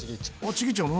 ちぎっちゃうの？